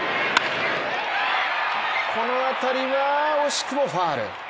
このあたりは惜しくもファウル。